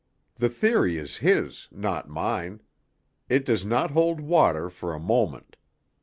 The theory is his, not mine. It does not hold water for a moment.